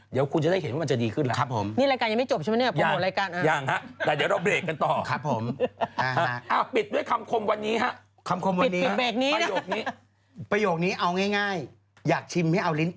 เดี๋ยวคุณจะได้เห็นว่ามันจะดีขึ้นแล้ว